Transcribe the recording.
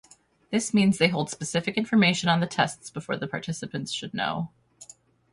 This means they hold specific information on the tests before the participants should know.